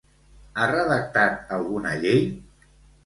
Ha redactat alguna llei?